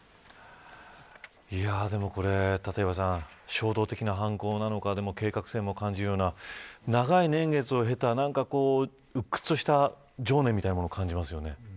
でも、これ立岩さん衝動的な犯行なのかでも計画性も感じるような長い年月を経た鬱屈した情念みたいなもの感じますね。